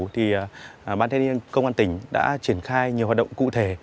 thì ban thanh niên công an tỉnh đã triển khai nhiều hoạt động cụ thể